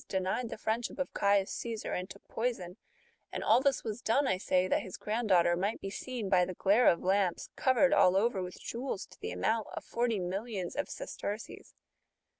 denied the friendship of Caius Caesar, and took poison f^ and all this was done, I say, that his grand daughter might be seen, by the glare of lamps, covered all over with jewels to the amount of forty millions of sesterces